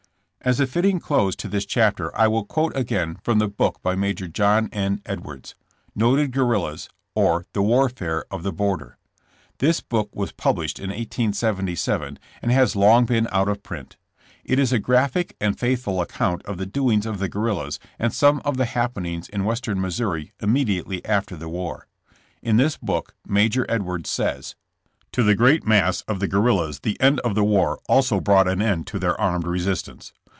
As a fitting close to this chapter I will quote again from the book by Major John N. Edwards, Noted Guerrillas, or the Warfare of the Border." This book was published in 1877, and has long been 70 JESS« JAMKS. out of print. It is a graphic and faithful account of the doings of the guerrillas and some of the happen ings in Western Missouri immediately after the war. In this book Major Edwards says : To the great mass of the guerrillas the end of the war also brought an end to their armed resist ance.